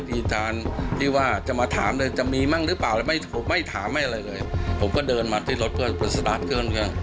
ผมไม่ถามให้อะไรเลยผมก็เดินมาที่รถเพื่อสตาร์ทเกิน